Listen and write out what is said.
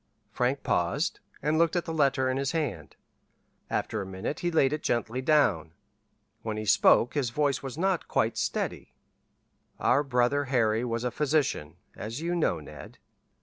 Frank paused, and looked at the letter in his hand. After a minute he laid it gently down. When he spoke his voice was not quite steady. "Our brother Harry was a physician, as you know, Ned.